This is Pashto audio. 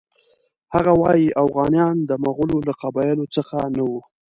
هغه وایي اوغانیان د مغولو له قبایلو څخه نه وو.